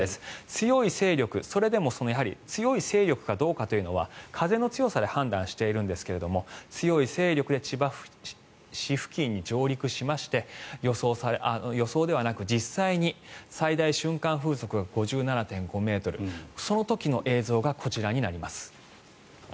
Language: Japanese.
強い勢力、それでも強い勢力かどうかというのは風の強さで判断しているんですが強い勢力で千葉市付近に上陸しまして予想ではなく、実際に最大瞬間風速が５７．５ｍその時の映像がこちらになります。